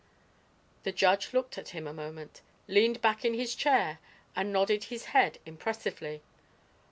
The judge looked at him a moment, leaned back in his chair and nodded his head impressively.